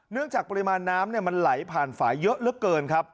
เนื่องจากปริมาณน้ำมันไหลผ่านฝ่ายเยอะเกินครับ